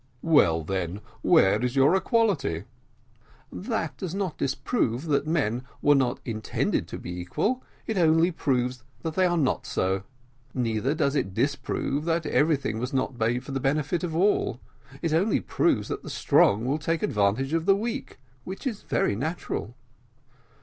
"Well, then, where is your equality?" "That does not disprove that men were not intended to be equal; it only proves that they are not so. Neither does it disprove that everything was not made for the benefit of all; it only proves that the strong will take advantage of the weak, which is very natural."